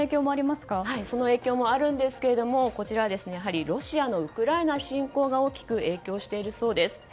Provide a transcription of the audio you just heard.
その影響もありますがロシアのウクライナ侵攻が大きく影響しているそうです。